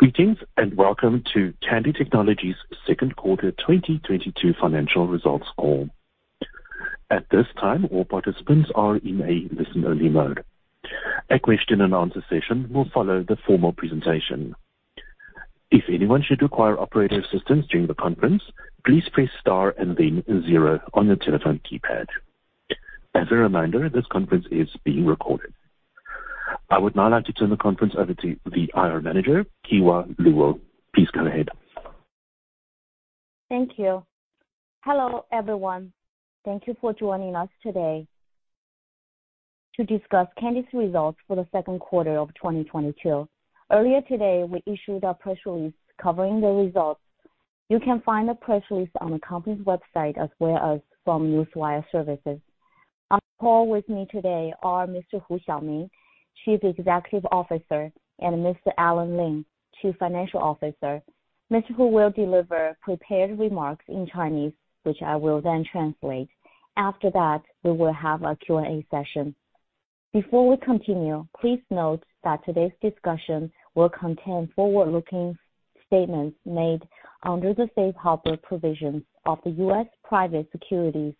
Greetings, and welcome to Kandi Technologies Second Quarter 2022 Financial Results Call. At this time, all participants are in a listen-only mode. A question and answer session will follow the formal presentation. If anyone should require operator assistance during the conference, please press star and then zero on your telephone keypad. As a reminder, this conference is being recorded. I would now like to turn the conference over to the IR Manager, Kewa Luo. Please go ahead. Thank you. Hello, everyone. Thank you for joining us today to discuss Kandi's results for the Second Quarter of 2022. Earlier today, we issued our press release covering the results. You can find the press release on the company's website as well as from newswire services. On the call with me today are Mr. Hu Xiaoming, Chief Executive Officer, and Mr. Alan Lim, Chief Financial Officer. Mr. Hu will deliver prepared remarks in Chinese, which I will then translate. After that, we will have a Q&A session. Before we continue, please note that today's discussion will contain forward-looking statements made under the safe harbor provisions of the U.S. Private Securities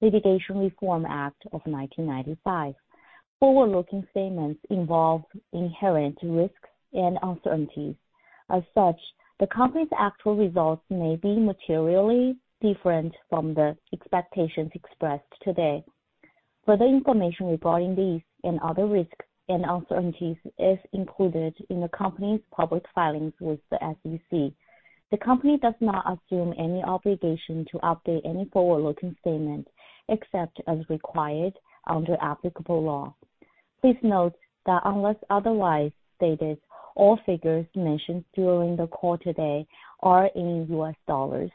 Litigation Reform Act of 1995. Forward-looking statements involve inherent risks and uncertainties. As such, the company's actual results may be materially different from the expectations expressed today. Further information regarding these and other risks and uncertainties is included in the company's public filings with the SEC. The company does not assume any obligation to update any forward-looking statements except as required under applicable law. Please note that unless otherwise stated, all figures mentioned during the call today are in U.S. dollars.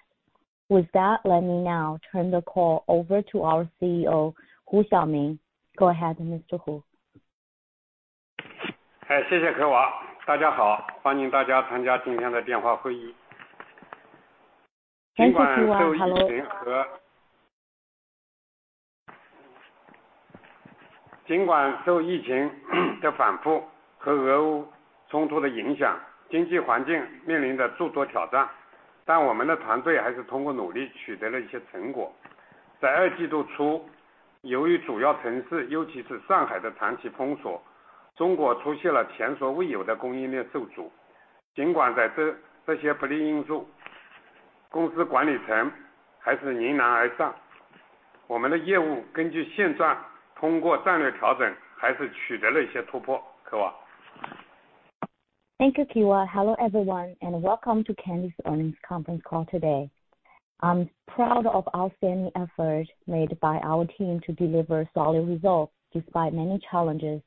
With that, let me now turn the call over to our CEO, Hu Xiaoming. Go ahead, Mr. Hu. Hi. Thank you, Kewa. Hello, everyone, and welcome to Kandi's earnings conference call today. I'm proud of outstanding effort made by our team to deliver solid results despite many challenges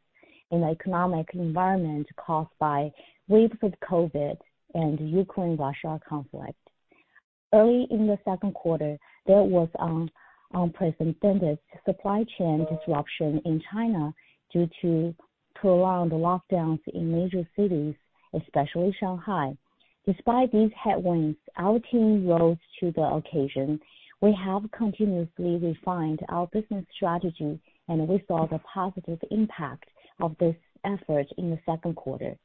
in the economic environment caused by waves of COVID and Ukraine-Russia conflict. Early in the second quarter, there was unprecedented supply chain disruption in China due to prolonged lockdowns in major cities, especially Shanghai. Despite these headwinds, our team rose to the occasion. We have continuously refined our business strategy, and we saw the positive impact of this effort in the second quarter.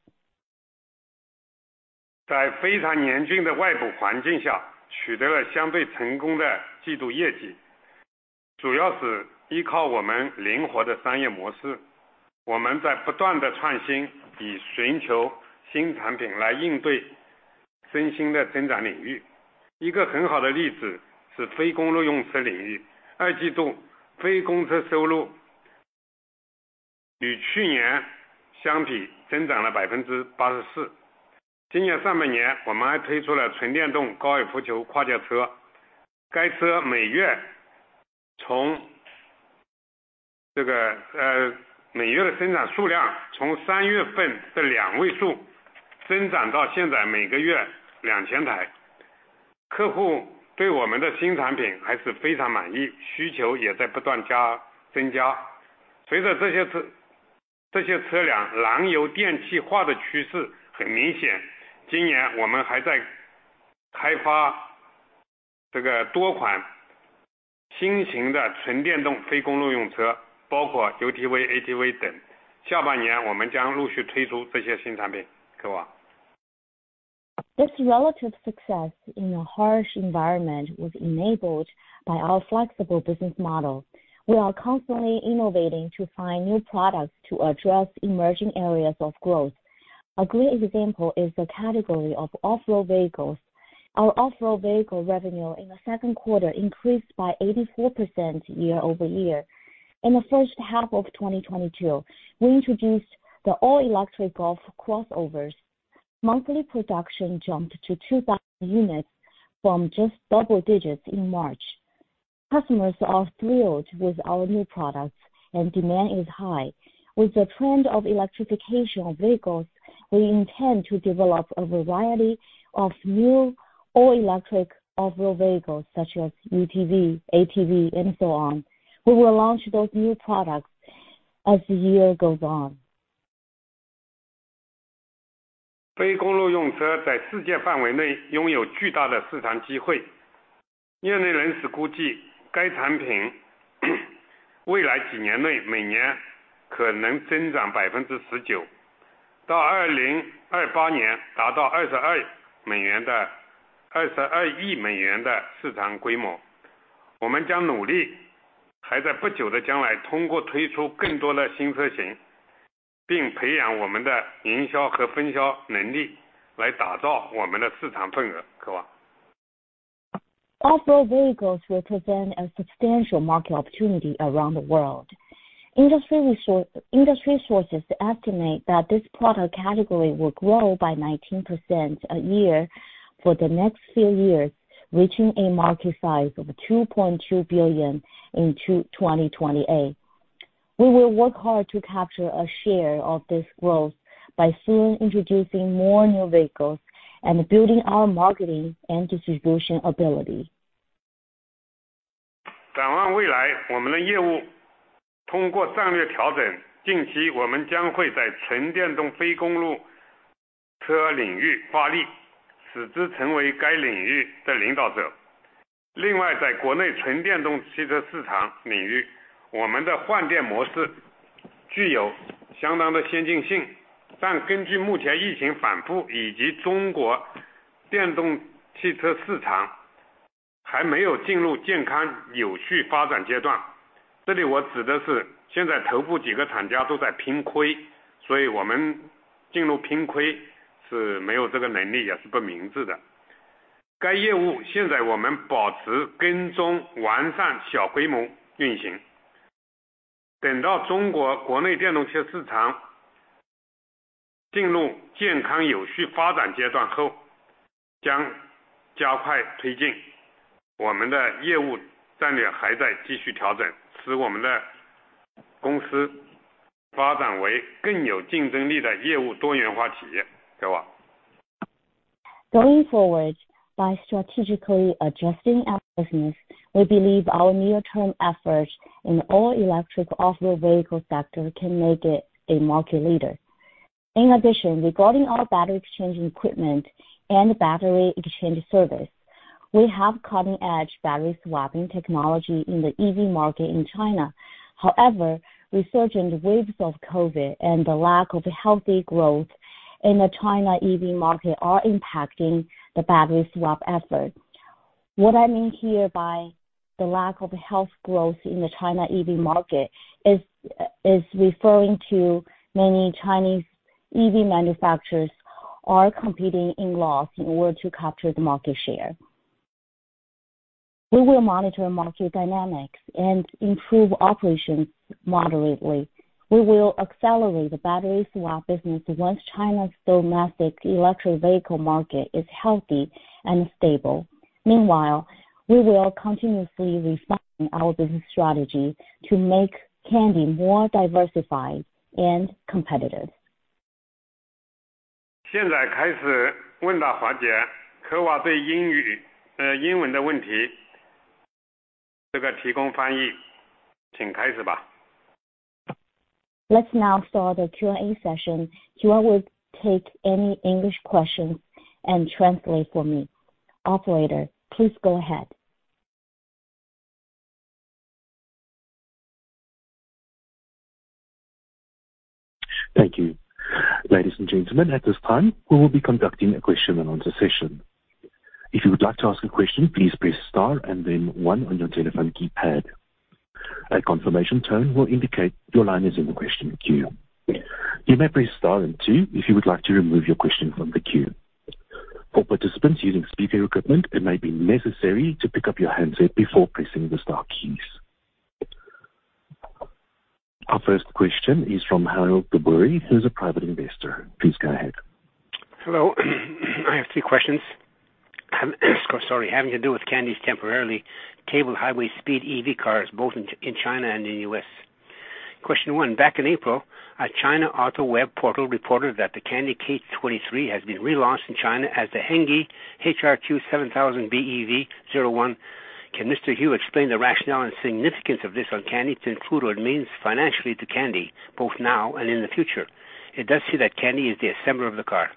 This relative success in a harsh environment was enabled by our flexible business model. We are constantly innovating to find new products to address emerging areas of growth. A great example is the category of off-road vehicles. Our off-road vehicle revenue in the second quarter increased by 84% year-over-year. In the first half of 2022, we introduced the all-electric golf crossovers. Monthly production jumped to 2,000 units from just double digits in March. Customers are thrilled with our new products, and demand is high. With the trend of electrification of vehicles, we intend to develop a variety of new all-electric off-road vehicles such as UTV, ATV, and so on. We will launch those new products as the year goes on. 业内人士估计，该产品未来几年内每年可能增长19%，到2028年达到22亿美元的市场规模。我们将努力，还在不久的将来通过推出更多的新车型，并培养我们的营销和分销能力来打造我们的市场份额。科华。Off-road vehicles will present a substantial market opportunity around the world. Industry resources, industry sources estimate that this product category will grow by 19% a year for the next few years, reaching a market size of $2.2 billion in 2028. We will work hard to capture a share of this growth by soon introducing more new vehicles and building our marketing and distribution ability. Going forward by strategically adjusting our business, we believe our near-term efforts in all electric off-road vehicle sector can make it a market leader. In addition, regarding our battery changing equipment and battery exchange service, we have cutting-edge battery swapping technology in the EV market in China. However, resurgent waves of COVID and the lack of healthy growth in the China EV market are impacting the battery swap effort. What I mean here by the lack of healthy growth in the China EV market is referring to many Chinese EV manufacturers are competing at a loss in order to capture the market share. We will monitor market dynamics and improve operations moderately. We will accelerate the battery swap business once China's domestic electric vehicle market is healthy and stable. Meanwhile, we will continuously refine our business strategy to make Kandi more diversified and competitive. 现在开始问答环节，科华对英语，英文的问题，这个提供翻译。请开始吧。Let's now start the Q&A session. Kewa will take any English questions and translate for me. Operator, please go ahead. Thank you. Ladies and gentlemen, at this time we will be conducting a question and answer session. If you would like to ask a question, please press Star and then one on your telephone keypad. A confirmation tone will indicate your line is in the question queue. You may press Star and two if you would like to remove your question from the queue. For participants using speaker equipment, it may be necessary to pick up your handset before pressing the Star keys. Our first question is from Harold Obori, who is a private investor. Please go ahead. Hello. I have three questions. Sorry. Having to do with Kandi's temporarily capable highway speed EV cars both in China and in U.S. Question one, back in April, a China auto web portal reported that the Kandi K23 has been relaunched in China as the Henghe HRQ7000BEV01. Can Mr. Hu explain the rationale and significance of this to Kandi to include what it means financially to Kandi, both now and in the future? It does seem that Kandi is the assembler of the car.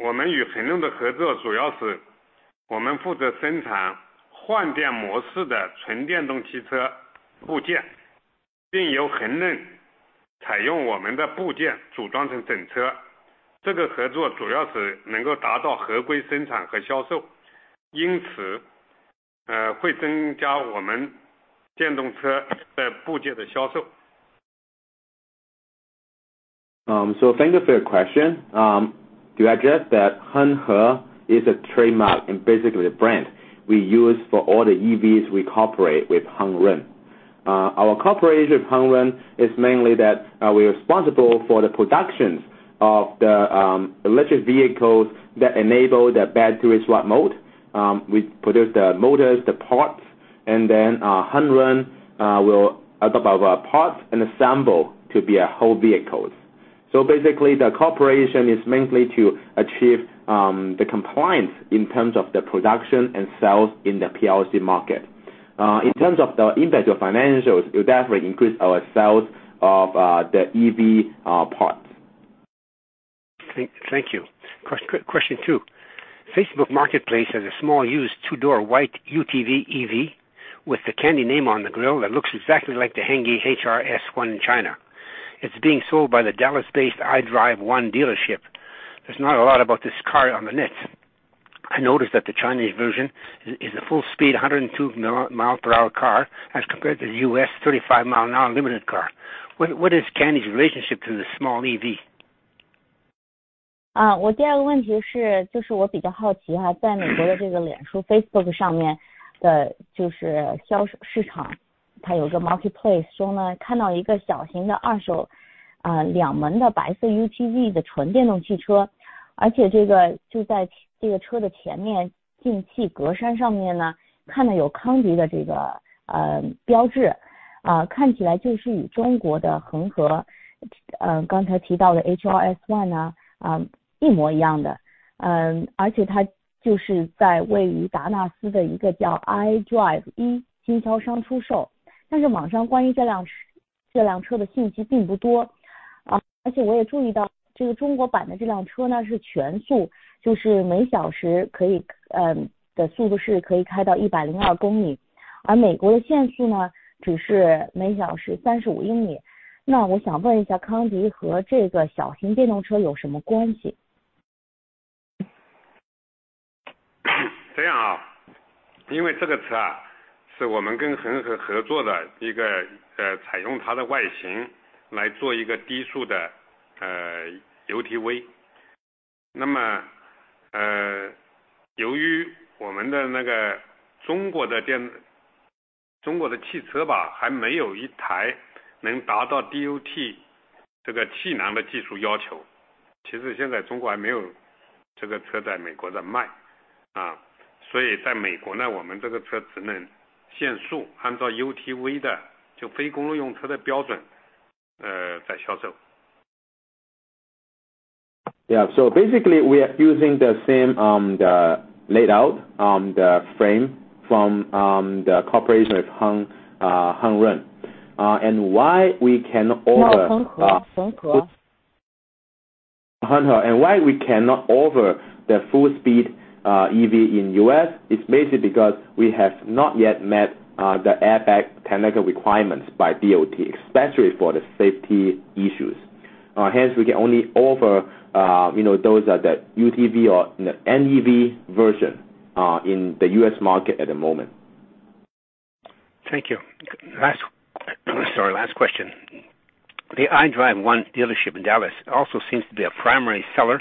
恒合呢，是我们与恒润合作车辆时采用的商标。我们与恒润的合作主要是我们负责生产换电模式的纯电动汽车部件，并由恒润采用我们的部件组装成整车。这个合作主要是能够达到合规生产和销售，因此，会增加我们电动车的部件的销售。Thank you for your question, to address that Henghe is a trademark and basically the brand we use for all the EVs we cooperate with Hengrun. Our cooperation with Hengrun is mainly that we are responsible for the production of the electric vehicles that enable the battery swap mode. We produce the motors, the parts and then Hengrun will add up our parts and assemble to be a whole vehicle. Basically the cooperation is mainly to achieve the compliance in terms of the production and sales in the PRC market. In terms of the impact of financials, it will definitely increase our sales of the EV parts. Thank you. Question two. Facebook Marketplace has a small used two-door white UTV EV with the Kandi name on the grill that looks exactly like the Hengrun HRS1 in China. It's being sold by the Dallas-based iDrive1 dealership. There's not a lot about this car on the net. I noticed that the Chinese version is a full speed 102-mile-per-hour car as compared to U.S. 35-mile-an-hour limited car. What is Kandi relationship to the small EV? Yeah, basically we are using the same, the layout, the frame from the cooperation with Hengrun. Why we cannot offer- 不，恒河，恒河。Hunghe. Why we cannot offer the full speed EV in U.S. is basically because we have not yet met the airbag technical requirements by DOT, especially for the safety issues. Hence we can only offer you know those are the UTV or NEV version in the U.S. market at the moment. Thank you. Last question. The iDrive1 dealership in Dallas also seems to be a primary seller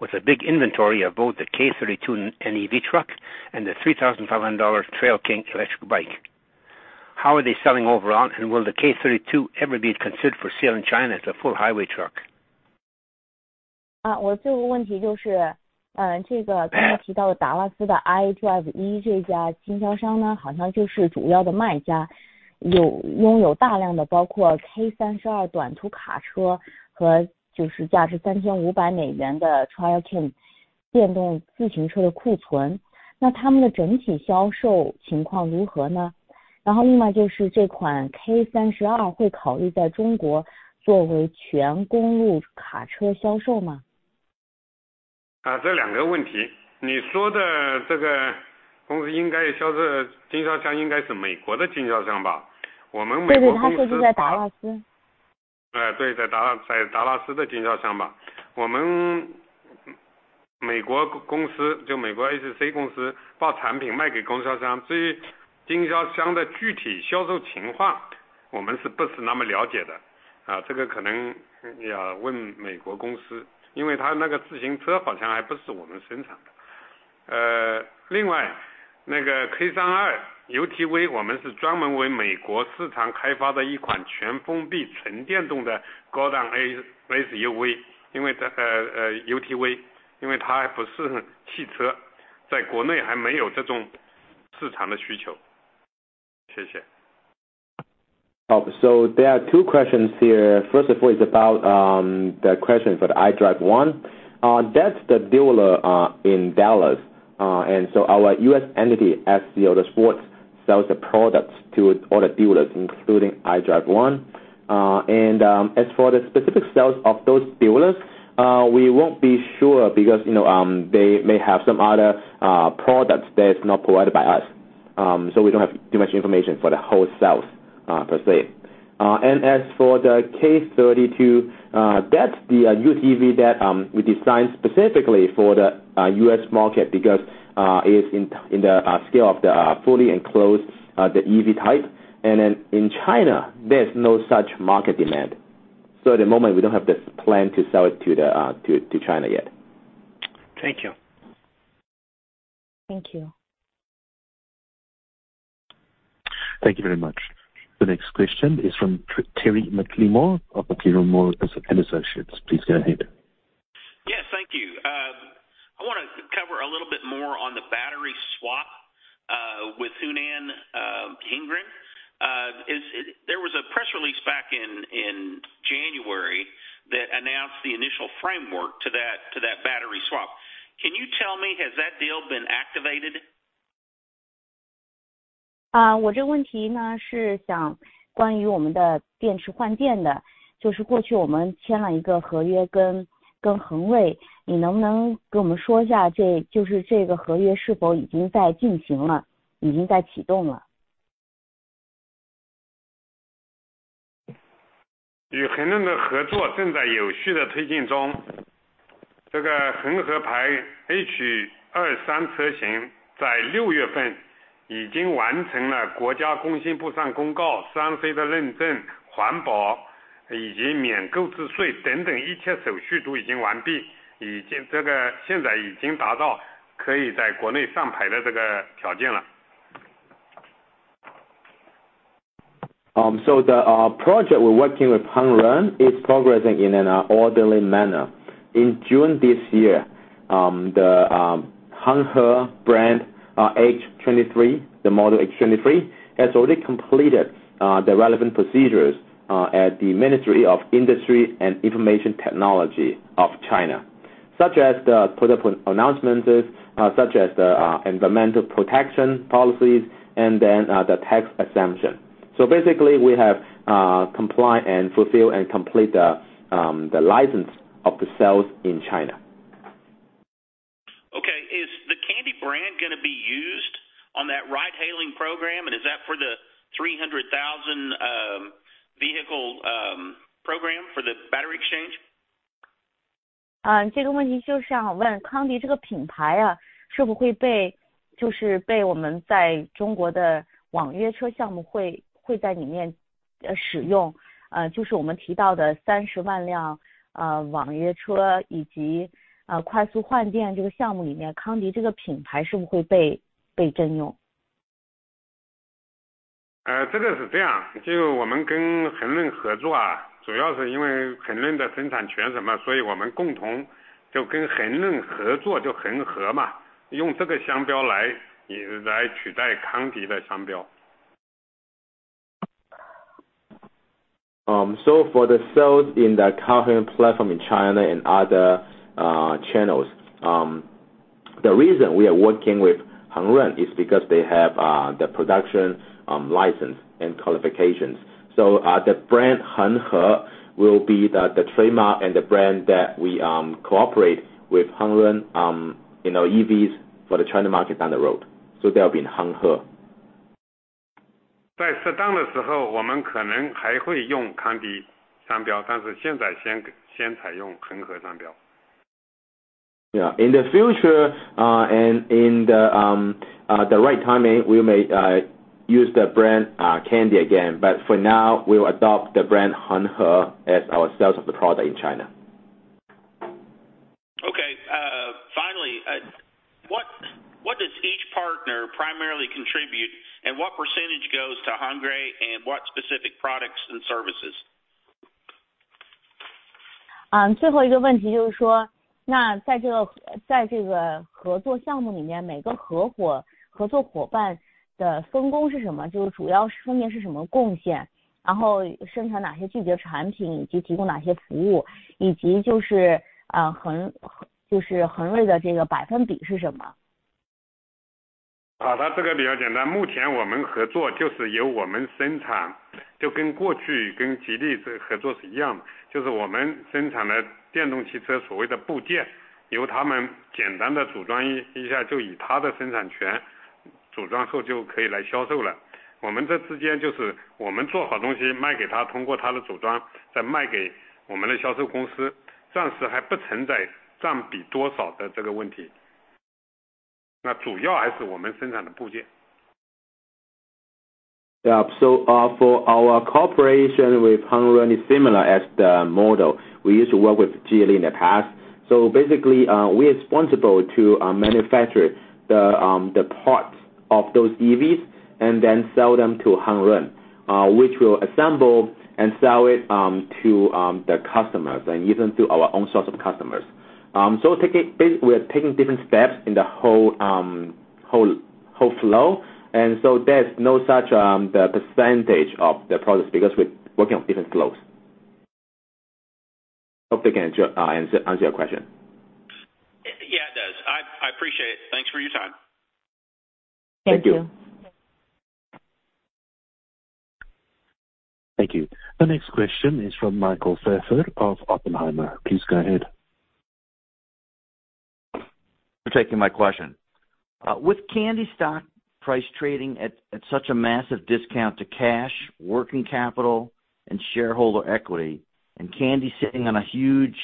with a big inventory of both the K32 NEV truck and the $3,500 Trail King electric bike. How are they selling overall, and will the K32 ever be considered for sale in China as a full highway truck? 我最后一个问题就是，这个刚才提到达拉斯的iDrive1这家经销商呢，好像就是主要的卖家，有拥有大量的包括K32短途卡车和就是价值$3,500的Trail UTV，我们是专门为美国市场开发的一款全封闭纯电动的高档UTV，因为它还不是汽车，在国内还没有这种市场的需求。谢谢。There are two questions here. First of all, it's about the question for the iDrive1. That's the dealer in Dallas. Our U.S. entity, SC Autosports, sells the products to all the dealers including iDrive1. As for the specific sales of those dealers, we won't be sure, because, you know, they may have some other products that is not provided by us. We don't have too much information for the whole sales per se. As for the K32, that's the UTV that we designed specifically for the U.S. market because it is in the scale of the fully enclosed the EV type. In China, there's no such market demand. At the moment we don't have the plan to sell it to China yet. Thank you. Thank you. Thank you very much. The next question is from Terry McLemore of McLemore and Associates. Please go ahead. Yes, thank you. I wanna cover a little bit more on the battery swap with Hunan Hengrun. There was a press release back in January that announced the initial framework to that battery swap. Can you tell me, has that deal been activated? The project we're working with Hengrun is progressing in an orderly manner. In June this year, the Henghe brand H23, the model H23, has already completed the relevant procedures at the Ministry of Industry and Information Technology of China, such as the product announcements, such as the environmental protection policies and then the tax exemption. Basically we have comply and fulfill and complete the license of the sales in China. Okay. Is the Kandi brand gonna be used on that ride hailing program? Is that for the 300,000 vehicle program for the battery exchange? For the sales in the current platform in China and other channels, the reason we are working with Hengrun is because they have the production license and qualifications. The brand Henghe will be the trademark and the brand that we cooperate with Hengrun, you know, EVs for the China market down the road. They'll be in Henghe. Yeah. In the future, and in the right timing, we may use the brand Kandi again, but for now we'll adopt the brand Henghe as our sales of the product in China. Okay, finally, what does each partner primarily contribute and what percentage goes to Hengrun and what specific products and services? Yeah. For our cooperation with Hengrun is similar as the model we used to work with Geely in the past. Basically, we are responsible to manufacture the parts of those EVs and then sell them to Hengrun, which will assemble and sell it to the customers and even to our own source of customers. We are taking different steps in the whole flow. There's no such the percentage of the products because we're working on different flows. Hope that can answer your question. Yeah, it does. I appreciate it. Thanks for your time. Thank you. Thank you. The next question is from Michael Pfeffer of Oppenheimer. Please go ahead. Thank you. My question. With Kandi stock price trading at such a massive discount to cash working capital and shareholder equity and Kandi sitting on a huge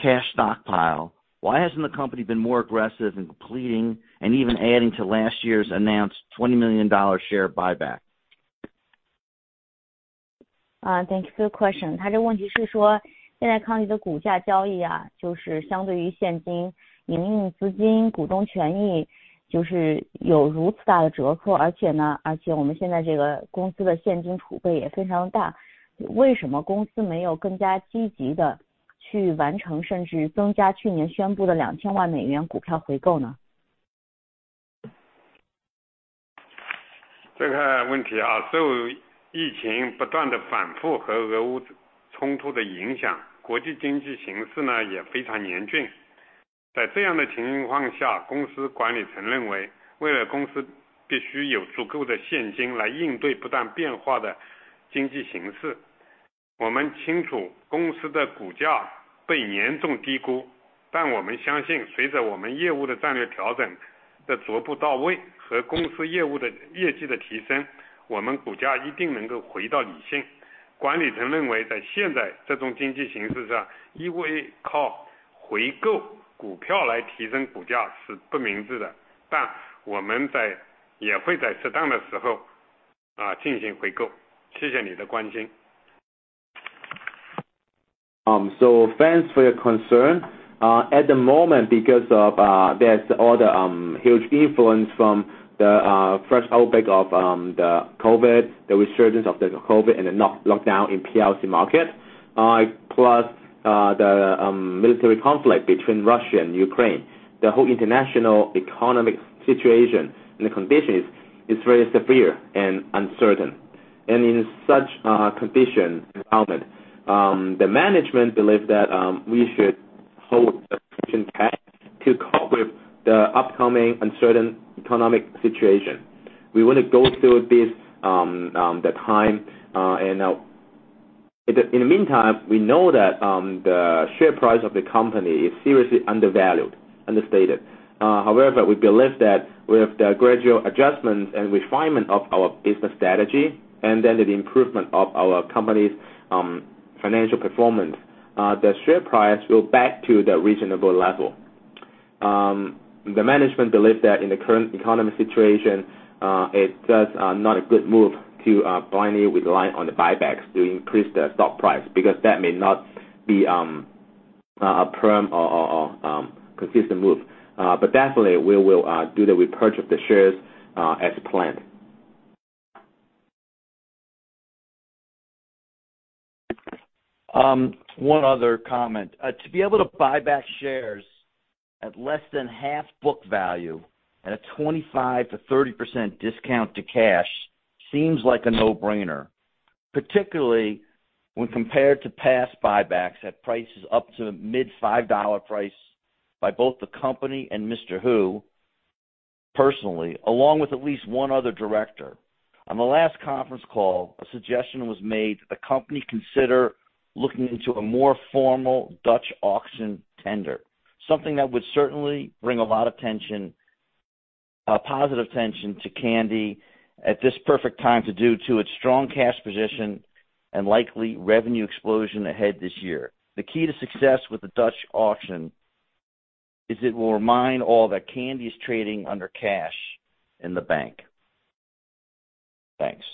cash stockpile, why hasn't the company been more aggressive in completing and even adding to last year's announced $20 million share buyback? Thanks for your concern. At the moment because of there's all the huge influence from the fresh outbreak of the COVID, the resurgence of the COVID, and the lockdown in PRC market, plus the military conflict between Russia and Ukraine. The whole international economic situation and the condition is very severe and uncertain. In such condition environment, the management believe that we should hold the cash to cope with the upcoming uncertain economic situation. We want to go through this time and in the meantime, we know that the share price of the company is seriously undervalued, understated. However, we believe that with the gradual adjustment and refinement of our business strategy, and then the improvement of our company's financial performance, the share price will back to the reasonable level. The management believes that in the current economic situation, it is not a good move to blindly rely on the buybacks to increase the stock price, because that may not be a firm or consistent move, but definitely we will do the repurchase of the shares as planned. One other comment, to be able to buy back shares at less than half book value at a 25%-30% discount to cash seems like a no brainer, particularly when compared to past buybacks at prices up to mid-$5 price by both the company and Mr. Hu personally, along with at least one other director. On the last conference call, a suggestion was made the company consider looking into a more formal Dutch auction tender, something that would certainly bring a lot of attention, a positive attention to Kandi at this perfect time due to its strong cash position and likely revenue explosion ahead this year. The key to success with the Dutch auction is it will remind all that Kandi is trading under cash in the bank. Thanks.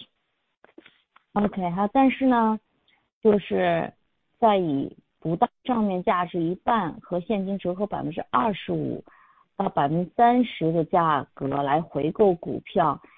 好，但是呢，就是在以书面价值一半和现金折扣25%到30%的价格来回购股票，这个似乎是一件不费吹灰之力的事儿，特别是就是公司本身，还有胡总本身，还有就是去年，还有至少一名董事吧，在过去都以高达$5的价格来回购股票了。而且在上次财报会议当中呢，也有人给公司建议，能够考虑研究一下一种叫荷兰式的这种招标，就是回购股票的方式，那这是一个非常完美的时机，这也会在你回购的过程当中带给康迪很多积极的市场上的关注，能够有助于公司的不仅是现金，而且也有可能增加收入，而且会就是不断地提醒其他人，这个康迪是在银行现金下进行的交易。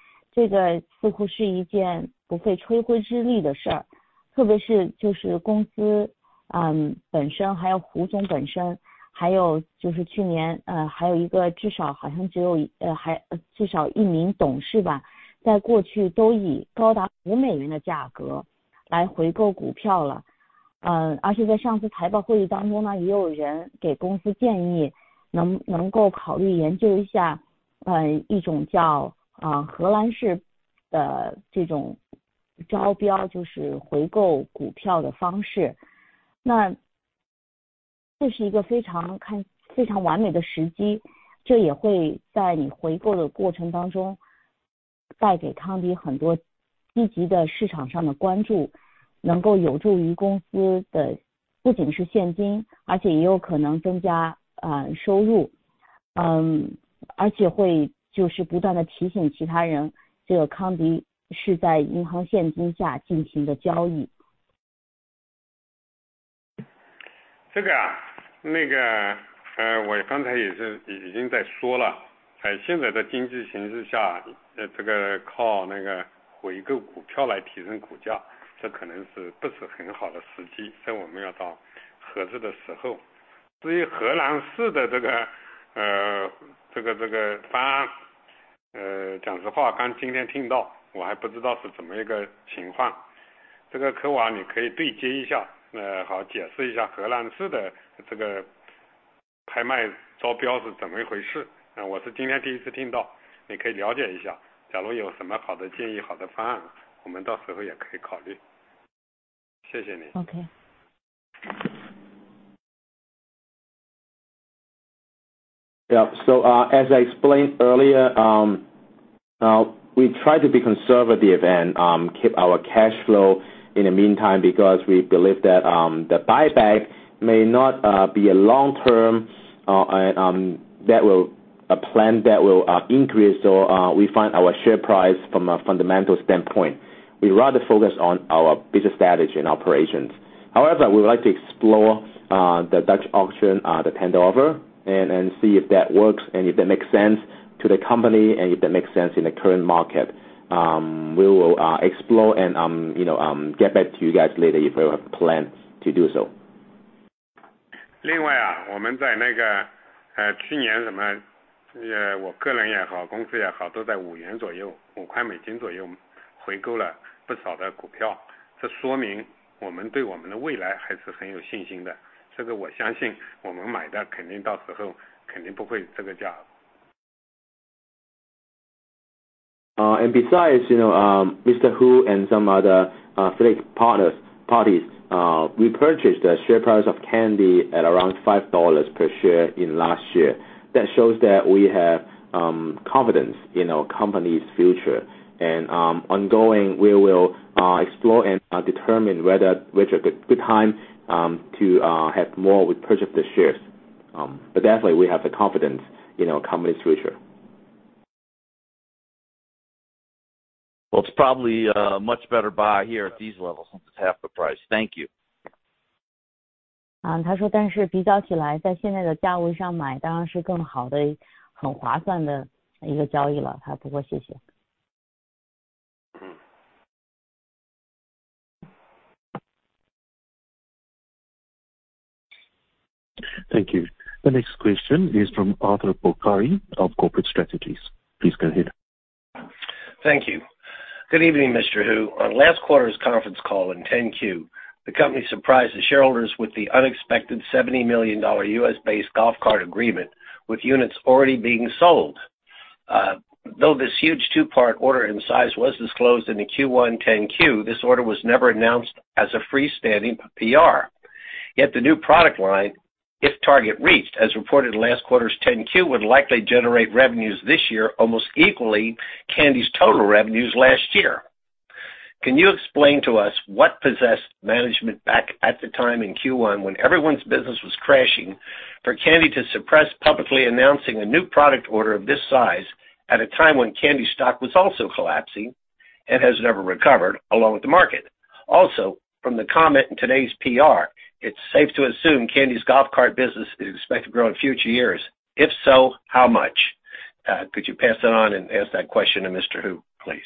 那个，我刚才也是已经在说了，在现在的经济形势下，靠那个回购股票来提升股价，这可能不是很好的时机，这我们要到核实的时候。至于荷兰式的这个方案，讲实话，今天刚听到，我还不知道是怎么一个情况，这个Kewa你可以对接一下，好解释一下荷兰式的这个拍卖招标是怎么一回事？我是今天第一次听到，你可以了解一下，假如有什么好的建议，好的方案，我们到时候也可以考虑。谢谢您。OK。As I explained earlier, we try to be conservative and keep our cash flow in the meantime because we believe that the buyback may not be a long-term plan that will increase our share price from a fundamental standpoint. We rather focus on our business strategy and operations. However, we would like to explore the Dutch auction, the tender offer and see if that works and if that makes sense to the company and if that makes sense in the current market. We will explore and you know get back to you guys later if we have plans to do so. 另外，我们在去年，我个人也好，公司也好，都在五块美金左右回购了不少的股票，这说明我们对我们的未来还是很有信心的。我相信我们买的，肯定到时候肯定不会这个价。Well, it's probably a much better buy here at these levels. It's half the price. Thank you. 但是比较起来，在现在的价位上买当然是更好的，很划算的一个交易了。不过谢谢。Mm-hmm. Thank you. The next question is from Arthur Porcari of Corporate Strategies. Please go ahead. Thank you. Good evening, Mr. Hu. On last quarter's conference call in 10-Q, the company surprised the shareholders with the unexpected $70 million U.S.-based golf cart agreement with units already being sold. Though this huge two part order in size was disclosed in the Q1 10-Q, this order was never announced as a freestanding PR. Yet the new product line, if target reached as reported last quarter's 10-Q, would likely generate revenues this year almost equally Kandi's total revenues last year. Can you explain to us what possessed management back at the time in Q1 when everyone's business was crashing for Kandi to suppress publicly announcing a new product order of this size at a time when Kandi stock was also collapsing and has never recovered along with the market? Also, from the comment in today's PR, it's safe to assume Kandi's golf cart business is expected to grow in future years. If so, how much? Could you pass it on and ask that question to Mr. Hu, please.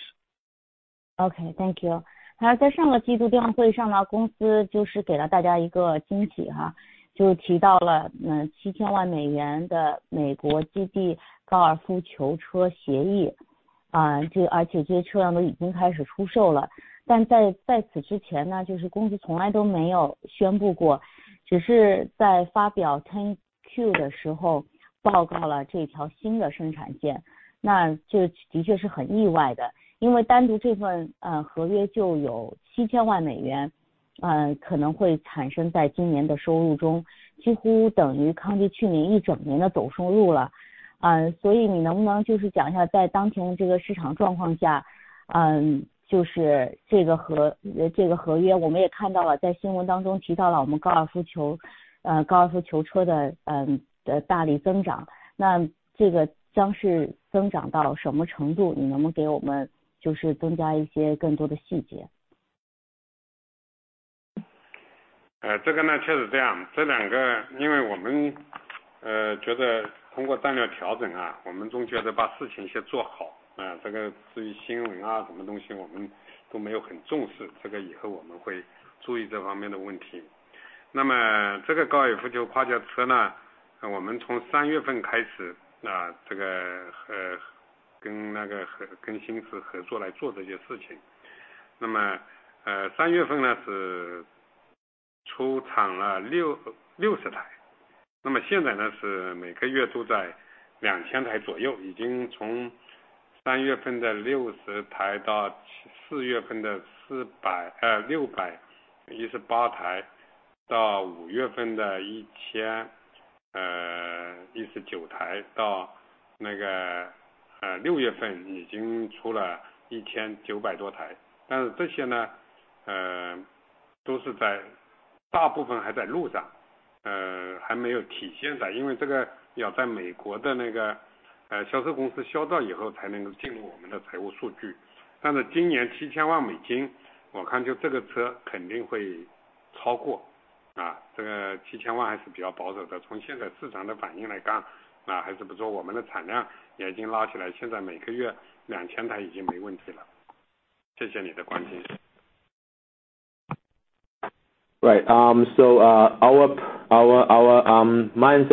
Our mindset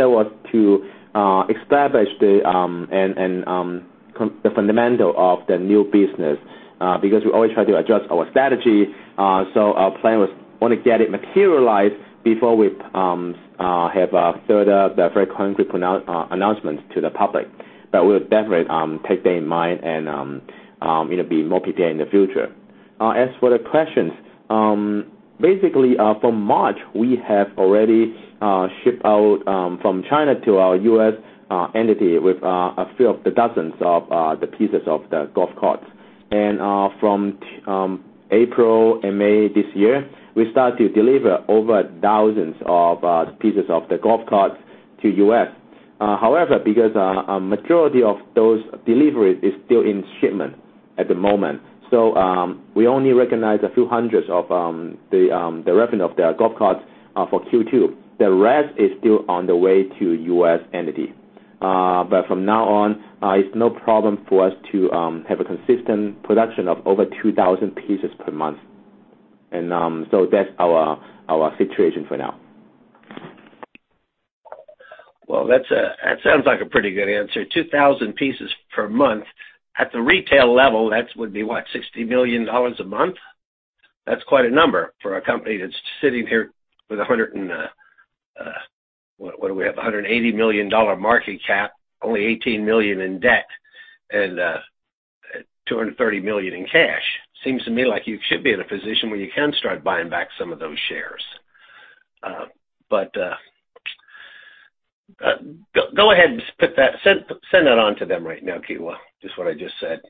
was to establish the fundamental of the new business, because we always try to adjust our strategy. Our plan was want to get it materialized before we have a further very concrete announcement to the public. We'll definitely take that in mind and it'll be more clear in the future. From March, we have already shipped out from China to our U.S. entity a few of the dozens of the pieces of the golf carts. From April and May this year, we start to deliver over thousands of pieces of the golf carts to the U.S. However, because majority of those deliveries is still in shipment at the moment, we only recognize a few hundreds of the revenue of the golf carts for Q2. The rest is still on the way to U.S. entity. From now on, it's no problem for us to have a consistent production of over 2,000 pieces per month. That's our situation for now. Well, that sounds like a pretty good answer. 2,000 pieces per month. At the retail level, that would be what? $60 million a month? That's quite a number for a company that's sitting here with what do we have? $180 million market cap, only $18 million in debt and $230 million in cash. Seems to me like you should be in a position where you can start buying back some of those shares. Go ahead and send that on to them right now, Kewa, just what I just said.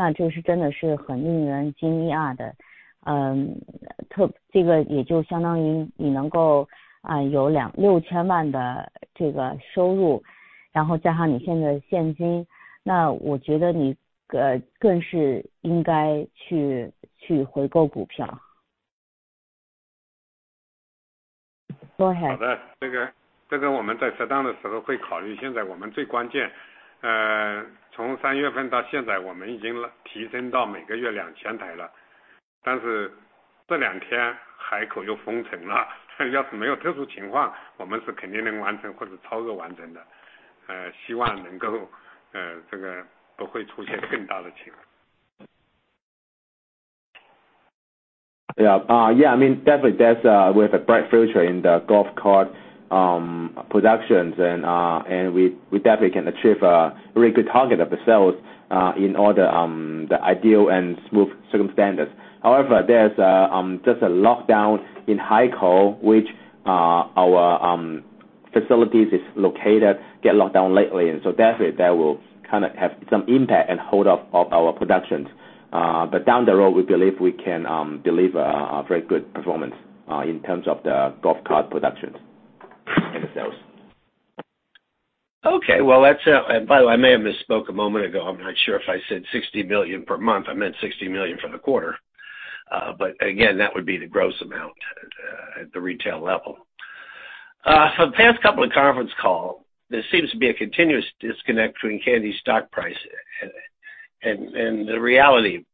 他说如果你能够保持每个月有两千台的这个生产，那就是真的是很令人惊异的。这个也就相当于你能够有六千万的这个收入，然后加上你现在的现金，那我觉得你更应该去回购股票。Go ahead. 好的，这个，这个我们在适当的时候会考虑。现在我们最关键，从三月份到现在，我们已经提升到每个月两千台了，但是这两天海口又封城了，要是没有特殊情况，我们是肯定能完成或是超额完成的。希望能够，这个不会出现更大的情况。I mean, definitely there's we have a bright future in the golf cart productions and we definitely can achieve a really good target of the sales in all the the ideal and smooth circumstances. However, there's just a lockdown in Haikou, which our facilities is located get locked down lately, and definitely that will kind of have some impact and hold up of our productions. Down the road, we believe we can deliver a very good performance in terms of the golf cart productions and the sales. Okay, well, that's, and by the way, I may have misspoke a moment ago. I'm not sure if I said $60 million per month. I meant $60 million for the quarter. Again, that would be the gross amount at the retail level. For the past couple of conference calls, there seems to be a continuous disconnect between Kandi's stock price and the reality.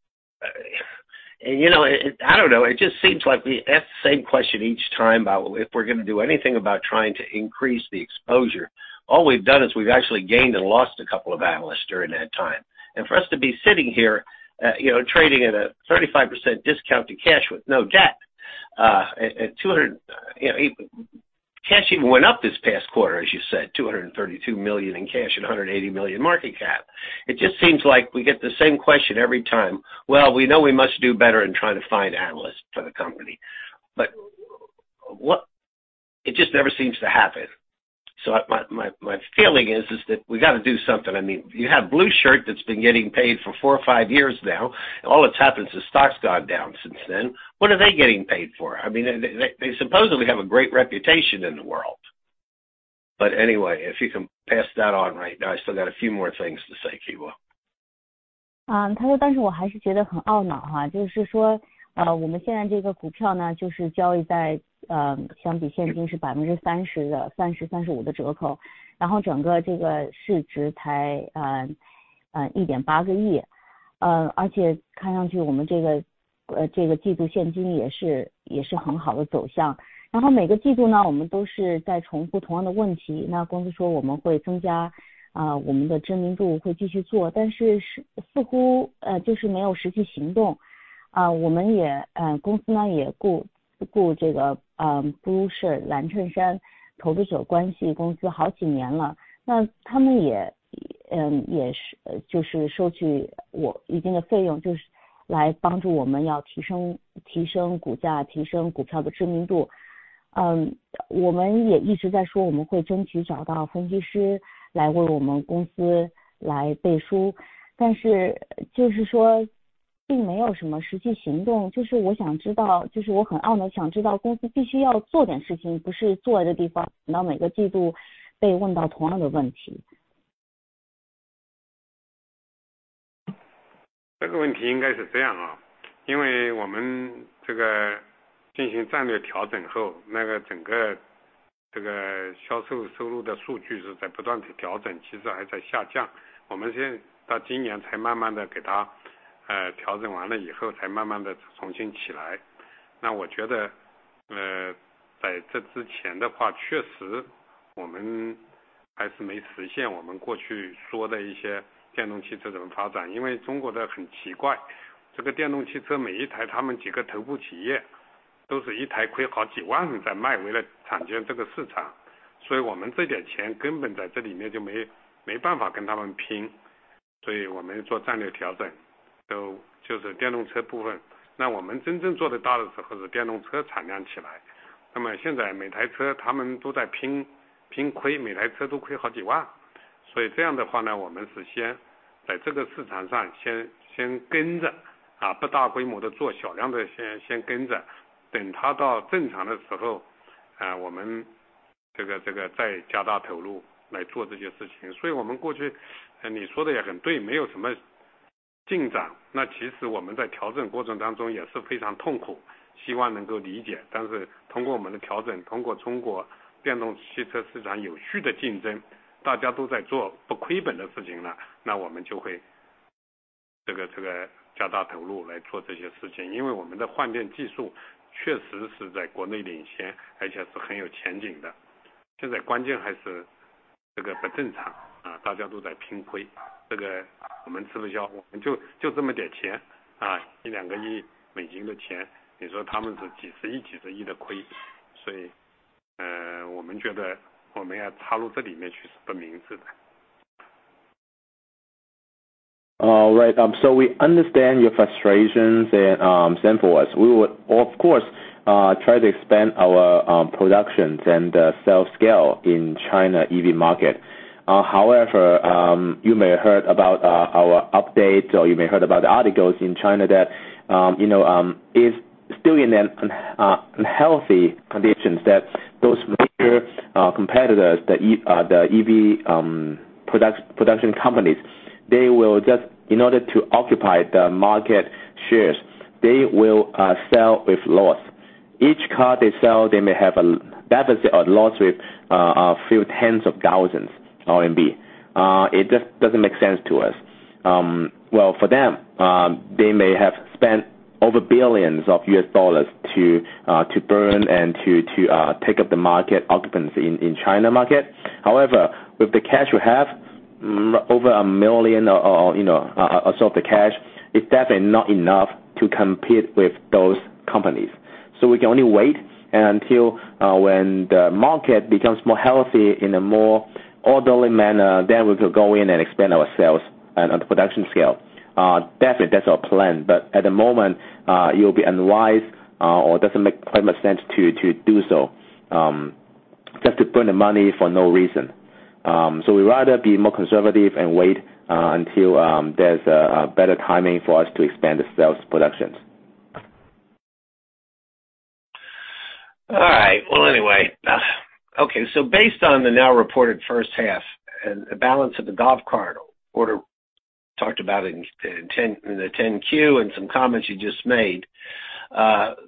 I don't know, it just seems like we ask the same question each time about if we're gonna do anything about trying to increase the exposure. All we've done is we've actually gained and lost a couple of analysts during that time. For us to be sitting here, you know, trading at a 35% discount to cash with no debt, at 200, you know, cash even went up this past quarter, as you said, $232 million in cash and $180 million market cap. It just seems like we get the same question every time. Well, we know we must do better in trying to find analysts for the company. What. It just never seems to happen. My feeling is that we've got to do something. I mean, you have Blueshirt Group that's been getting paid for four or five years now. All that's happened is stock's gone down since then. What are they getting paid for? I mean, they supposedly have a great reputation in the world. Anyway, if you can pass that on right now, I still got a few more things to say, Kewa Luo. All right. We understand your frustrations and samples we would of course try to expand our productions and sales scale in China EV market. You may heard about our update or you may heard about the articles in China that, you know, is still in an unhealthy conditions that those major competitors the EV product production companies they will just in order to occupy the market shares they will sell with loss. Each car they sell they may have a deficit or loss with few tens of thousands RMB. It just doesn't make sense to us. Well, for them, they may have spent over billions of U.S. dollars to burn and to take up the market occupancy in China market. With the cash we have, over $1 million or, you know, our cash, it's definitely not enough to compete with those companies. We can only wait until when the market becomes more healthy in a more orderly manner, then we could go in and expand our sales and production scale. Definitely that's our plan. At the moment, it'll be unwise or doesn't make quite much sense to do so, just to burn the money for no reason. We'd rather be more conservative and wait until there's a better timing for us to expand the sales productions. All right. Based on the now reported first half and the balance of the golf cart order talked about it in the 10-Q and some comments you just made,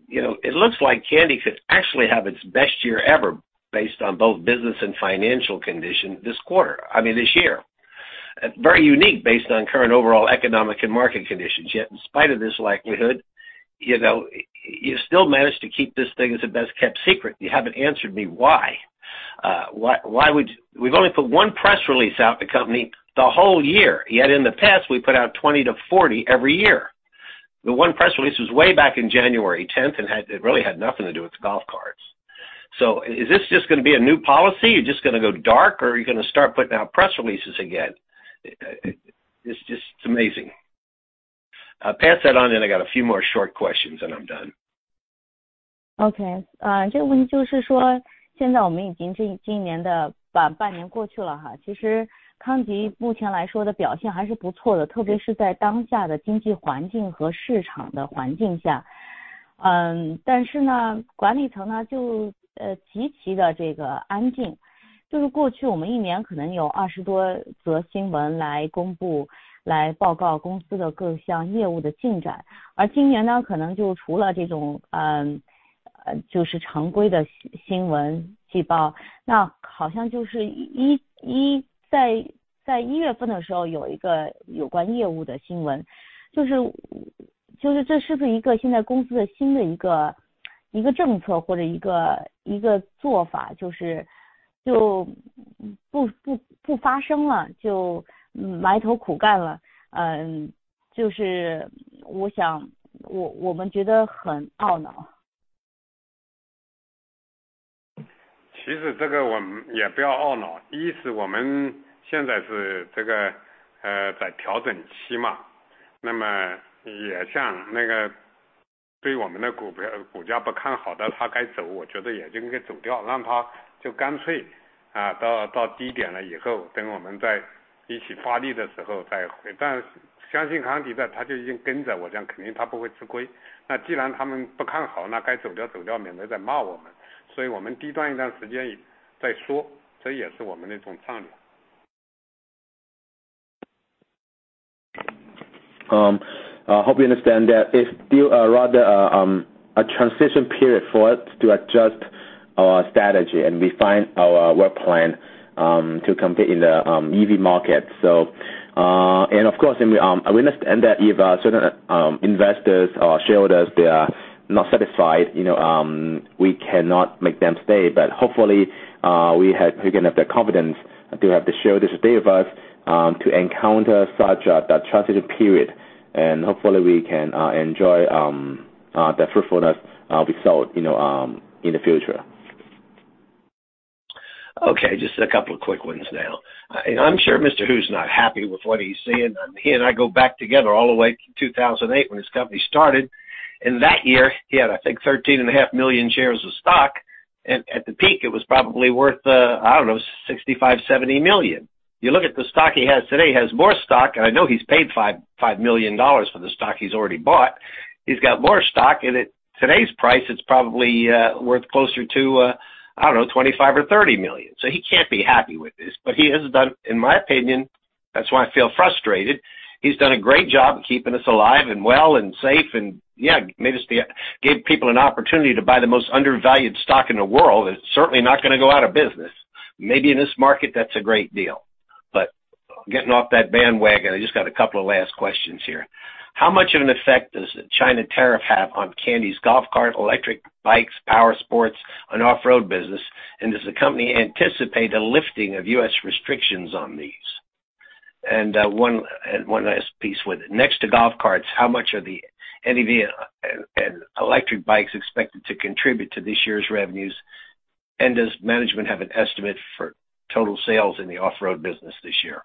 you know, it looks like Kandi could actually have its best year ever based on both business and financial condition this quarter, I mean this year. Very unique based on current overall economic and market conditions. Yet in spite of this likelihood, you know, you still managed to keep this thing as a best kept secret. You haven't answered me why? Why would we only put one press release out by the company the whole year, yet in the past we put out 20-40 every year. The one press release was way back in January 10th and it really had nothing to do with golf carts. Is this just going to be a new policy? You're just going to go dark or are you going to start putting out press releases again? It's just amazing. Pass that on and I got a few more short questions and I'm done. I hope you understand that it's still a rather a transition period for us to adjust our strategy, and we find our work plan to compete in the EV market. Of course, we understand that if certain investors or shareholders they are not satisfied, you know, we cannot make them stay. Hopefully, we have picked up their confidence. They have to show this day of us to encounter such a transition period. Hopefully we can enjoy the fruitfulness of result, you know, in the future. Okay, just a couple quick ones now. I'm sure Mr. Hu is not happy with what he is seeing. He and I go back together all the way to 2008 when his company started. In that year, he had, I think, 13.5 million shares of stock. At the peak it was probably worth, I don't know, $65 million-$70 million. You look at the stock he has today, he has more stock, and I know he has paid $5 million for the stock he has already bought. He has got more stock and its today's price is probably worth closer to, I don't know, $25 million or $30 million. He can't be happy with this, but he has done, in my opinion, that is why I feel frustrated. He has done a great job keeping us alive, and well, and safe, and yeah, gave people an opportunity to buy the most undervalued stock in the world. It is certainly not going to go out of business. Maybe in this market that is a great deal. Getting off that bandwagon, I just got a couple of last questions here. How much of an effect does the China tariff have on Kandi's golf cart, electric bikes, power sports and off-road business? Does the company anticipate a lifting of U.S. restrictions on these? One last piece with next to golf carts, how much are the NEV and electric bikes expected to contribute to this year's revenues? Does management have an estimate for total sales in the off-road business this year?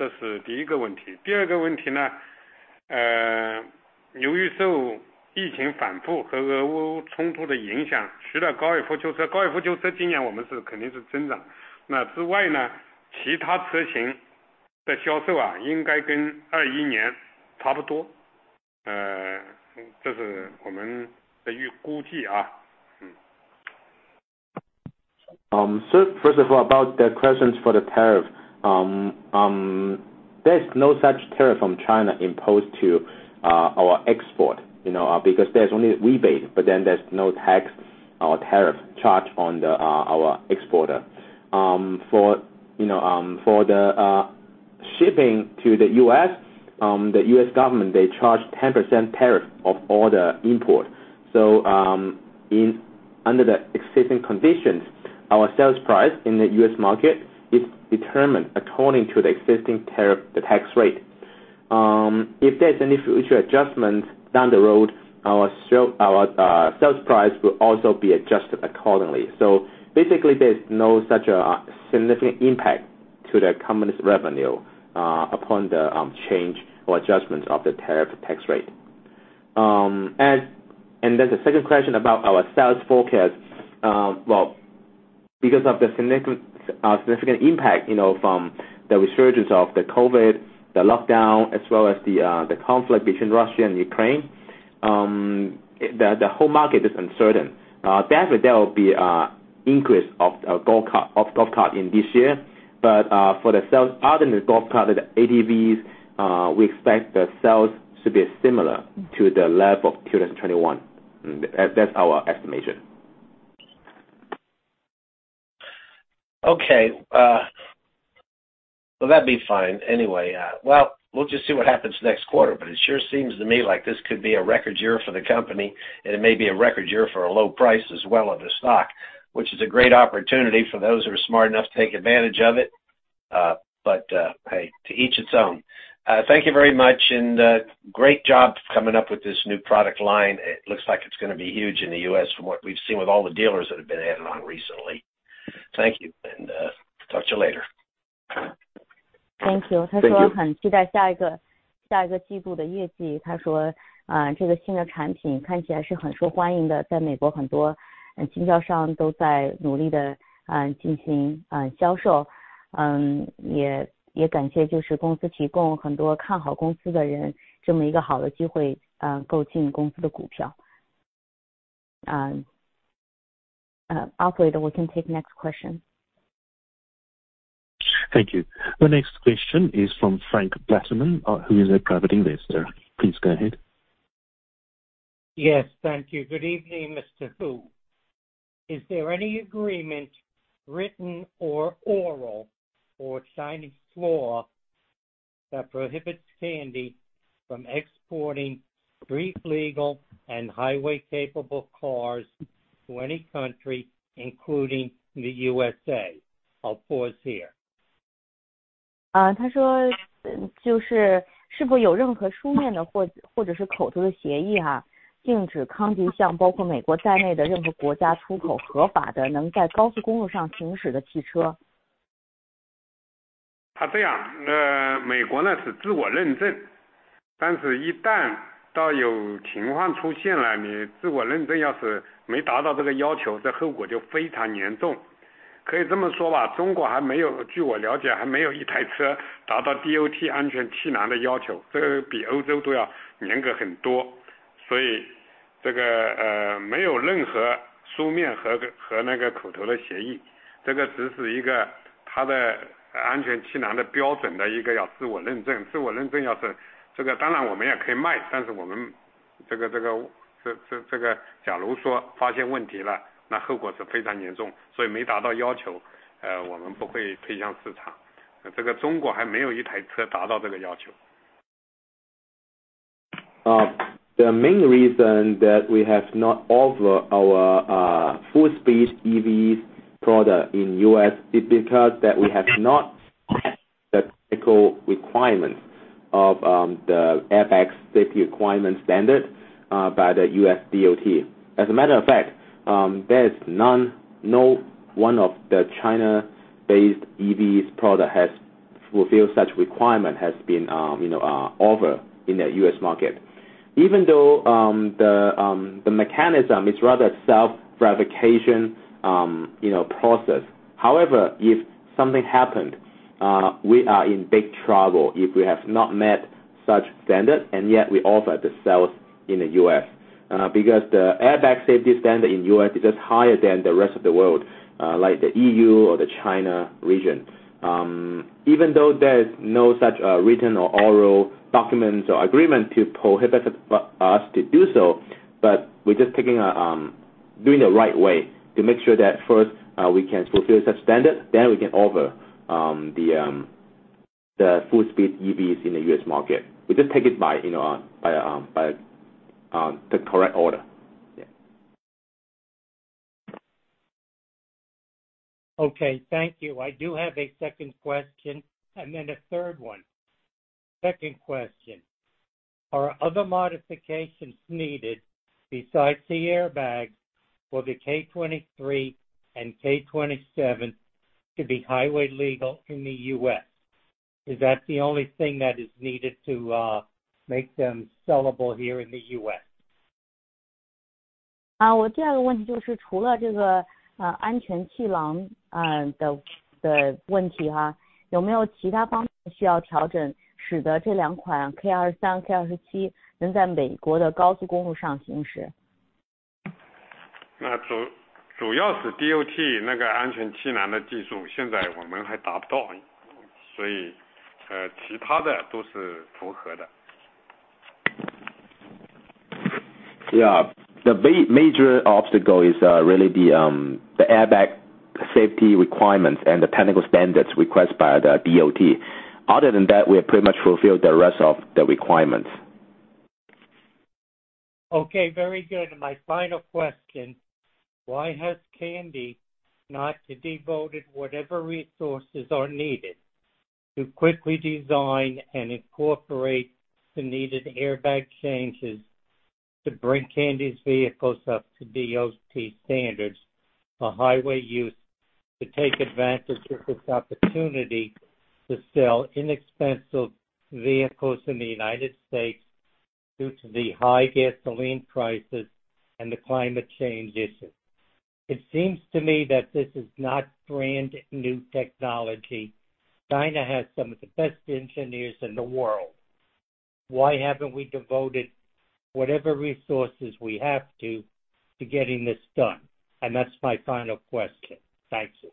First, about the questions for the tariff. There's no such tariff from China imposed on our exports, you know, because there's only rebate, but then there's no tax or tariff charge on our exports. For the shipping to the U.S., the U.S. government they charge 10% tariff of all the imports. Under the existing conditions, our sales price in the U.S. market is determined according to the existing tariff the tax rate. If there's any future adjustment down the road, our sales price will also be adjusted accordingly. Basically there's no such a significant impact to the company's revenue upon the change or adjustment of the tariff tax rate. And then the second question about our sales forecast. Well, because of the significant impact, you know, from the resurgence of the COVID, the lockdown, as well as the conflict between Russia and Ukraine, the whole market is uncertain. Definitely there will be an increase of golf carts in this year. For the sales other than the golf carts, the ATVs, we expect the sales to be similar to the level of 2021. That's our estimation. Okay. Well, that'd be fine anyway. Well, we'll just see what happens next quarter, but it sure seems to me like this could be a record year for the company, and it may be a record year for a low price as well of the stock, which is a great opportunity for those who are smart enough to take advantage of it. Hey, to each its own. Thank you very much, and great job coming up with this new product line. It looks like it's gonna be huge in the U.S. from what we've seen with all the dealers that have been added on recently. Thank you, and talk to you later. Thank you. Thank you. Operator, we can take next question. Thank you. The next question is from Frank Blatterman, who is a private investor. Please go ahead. Yes, thank you. Good evening, Mr. Hu. Is there any agreement, written or oral or signed in blood, that prohibits Kandi from exporting street-legal and highway-capable cars to any country, including the USA? I'll pause here. He says, is there any written or oral agreement prohibiting Kandi from exporting street-legal and highway-capable cars to any country, including the USA? The main reason that we have not offered our full speed EVs product in the U.S. is because that we have not met the technical requirements of the airbag safety requirement standard by the USDOT. As a matter of fact, there is none of the China-based EVs product that has fulfilled such requirement and been you know offered in the U.S. market. Even though the mechanism is rather self-certification you know process. However, if something happened, we are in big trouble if we have not met such standard and yet we offer the sales in the U.S., because the airbag safety standard in the U.S. is just higher than the rest of the world, like the EU or the China region. Even though there is no such written or oral documents or agreement to prohibit us to do so, but we're just doing the right way to make sure that first we can fulfill such standard, then we can offer the full speed EVs in the U.S. market. We just take it by, you know, the correct order. Okay. Thank you. I do have a second question, and then a third one. Second question, are other modifications needed besides the airbag for the K23 and K27 to be highway legal in the U.S.? Is that the only thing that is needed to make them sellable here in the U.S.? Yeah. The major obstacle is really the airbag safety requirements and the technical standards request by the DOT. Other than that, we have pretty much fulfilled the rest of the requirements. Okay, very good. My final question, why has Kandi not devoted whatever resources are needed to quickly design and incorporate the needed airbag changes to bring Kandi's vehicles up to DOT standards for highway use to take advantage of this opportunity to sell inexpensive vehicles in the United States due to the high gasoline prices and the climate change issue? It seems to me that this is not brand-new technology. China has some of the best engineers in the world. Why haven't we devoted whatever resources we have to getting this done? That's my final question. Thank you.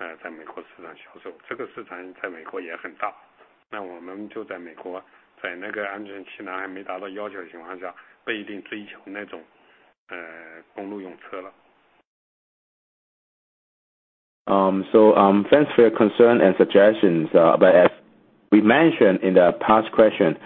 Thanks for your concern and suggestions, but as we mentioned in the past question,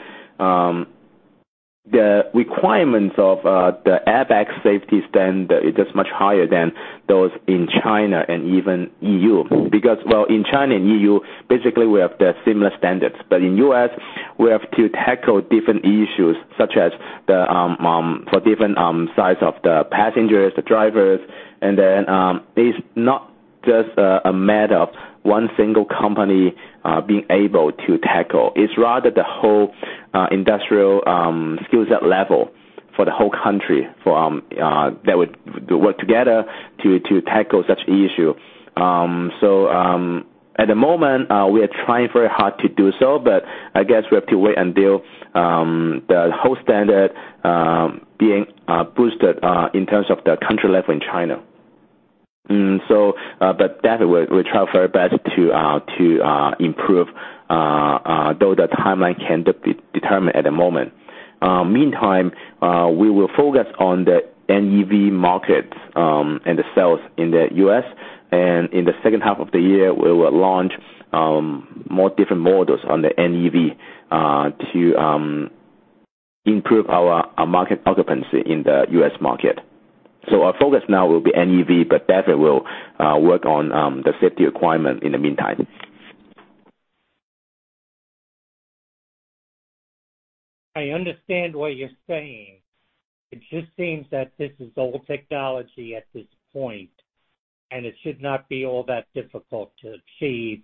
the requirements of the airbag safety standard is just much higher than those in China and even E.U., because well in China and E.U. basically we have the similar standards, but in U.S. we have to tackle different issues such as the for different size of the passengers, the drivers, and then it's not just a matter of one single company being able to tackle, it's rather the whole industrial skill set level for the whole country for that would work together to tackle such issue. At the moment we are trying very hard to do so, but I guess we have to wait until the whole standard being boosted in terms of the country level in China. But that will try our very best to improve though the timeline can't determine at the moment. Meantime, we will focus on the NEV market and the sales in the U.S., and in the second half of the year, we will launch more different models on the NEV to improve our market occupancy in the U.S. market. Our focus now will be NEV, but that will work on the safety requirement in the meantime. I understand what you're saying, it just seems that this is old technology at this point, and it should not be all that difficult to achieve,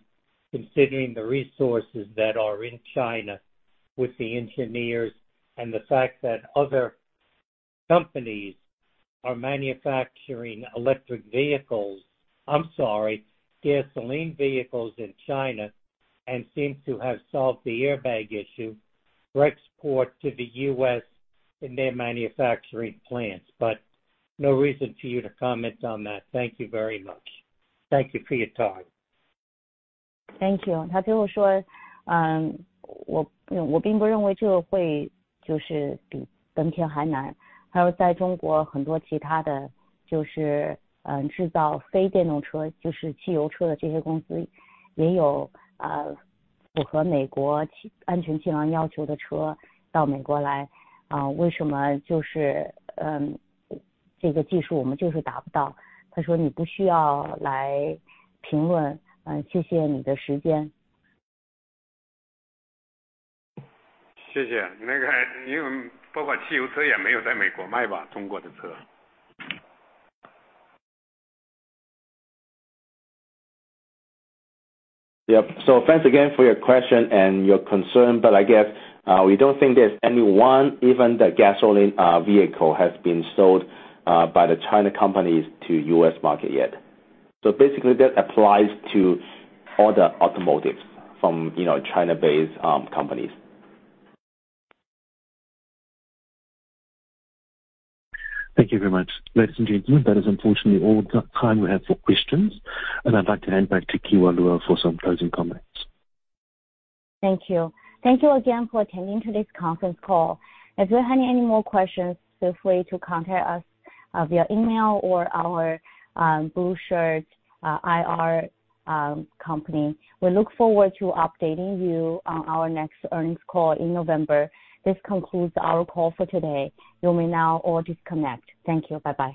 considering the resources that are in China with the engineers and the fact that other companies are manufacturing electric vehicles, I'm sorry, gasoline vehicles in China, and seem to have solved the airbag issue for export to the U.S. in their manufacturing plants. No reason for you to comment on that. Thank you very much. Thank you for your time. 因为包括汽油车也没有在美国卖吧，中国的车。Yep. Thanks again for your question and your concern. I guess we don't think there's anyone, even the gasoline vehicle has been sold by the Chinese companies to U.S. market yet. Basically that applies to all the automobiles from, you know, China-based companies. Thank you very much. Ladies and gentlemen, that is unfortunately all the time we have for questions, and I'd like to hand back to Kewa Luo for some closing comments. Thank you. Thank you again for attending today's conference call. If you have any more questions, feel free to contact us via e-mail or our Blueshirt IR company. We look forward to updating you on our next earnings call in November. This concludes our call for today. You may now all disconnect. Thank you. Bye bye.